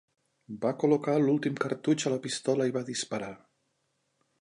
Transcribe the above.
Va col·locar l'últim cartutx a la pistola i va disparar.